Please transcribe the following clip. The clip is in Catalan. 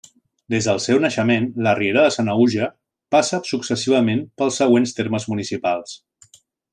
Des del seu naixement, la Riera de Sanaüja passa successivament pels següents termes municipals.